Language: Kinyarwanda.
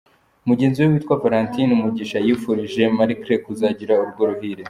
Mugenzi we witwa Valentine Umugisha yifurije Markle kuzagira urugo ruhire.